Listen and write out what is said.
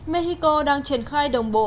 mexico đang triển khai đồng bộ